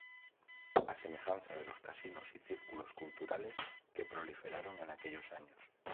A semejanza de los casinos y círculos culturales que proliferaron en aquellos años.